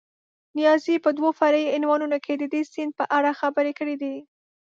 نیازي په دوو فرعي عنوانونو کې د دې سیند په اړه خبرې کړې دي.